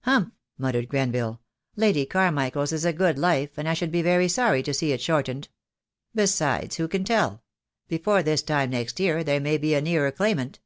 "Humph," muttered Grenville, "Lady Carmichael's is a good life, and I should be very sorry to see it shortened. Besides, who can tell? Before this time next year there may be a nearer claimant."